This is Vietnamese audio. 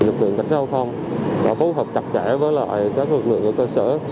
lực lượng cảnh sát hồ thông đã phối hợp chặt chẽ với các lực lượng cơ sở